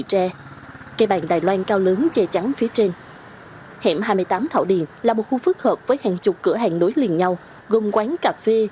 hẻm hai mươi tám thảo điền là một khu phức hợp với hàng chục cửa hàng nối liền nhau gồm quán cà phê